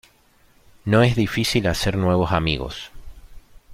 No es difícil hacer nuevos amigos.